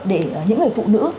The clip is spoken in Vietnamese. để những người phụ nữ